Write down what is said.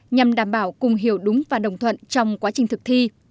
nhằm đảm bảo cùng hiểu đúng và đồng thuận trong quá trình thực thi